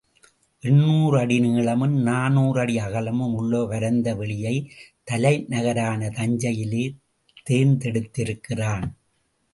எண்ணூறு அடி நீளமும், நானூறு அடி அகலமும் உள்ள ஒரு பரந்த வெளியை தலைநகரான தஞ்சையிலே தேர்ந்தெடுக்கிறான்.